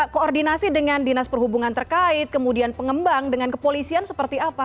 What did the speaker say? koordinasi dengan dinas perhubungan terkait kemudian pengembang dengan kepolisian seperti apa